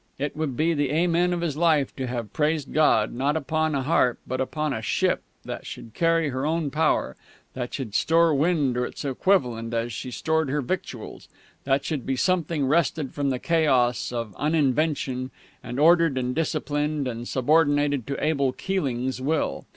It would be the Amen of his life to have praised God, not upon a harp, but upon a ship that should carry her own power, that should store wind or its equivalent as she stored her victuals, that should be something wrested from the chaos of uninvention and ordered and disciplined and subordinated to Abel Keeling's will....